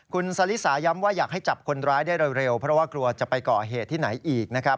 คุณสลิสาย้ำว่าอยากให้จับคนร้ายได้เร็วเพราะว่ากลัวจะไปก่อเหตุที่ไหนอีกนะครับ